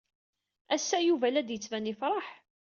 Ass-a Yuba la d-yettban yefṛeḥ.